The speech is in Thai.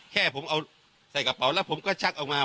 แค่ผมเอาใส่กระเป๋าแล้วผมก็ชักออกมา